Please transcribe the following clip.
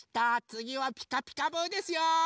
つぎは「ピカピカブ！」ですよ。